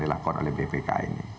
dilakukan oleh ppk ini